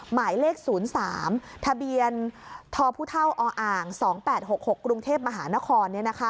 หมายเลข๐๓ทะเบียนทพ๒๘๖๖กรุงเทพมหานคร